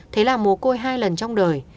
thế là mùa côi hai lần trong đời